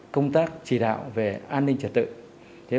công tác chỉ đạo về an ninh trật tự